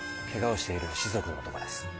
けがをしている士族の男です。